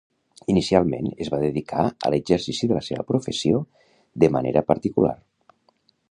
Inicialment es va dedicar a l'exercici de la seva professió de manera particular.